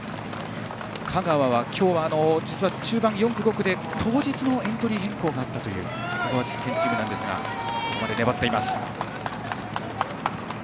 香川は今日は実は中盤４区、５区で当日のエントリー変更があったという香川県チームですがここまで粘っています。